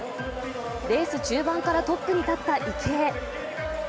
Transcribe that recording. レース中盤からトップに立った池江。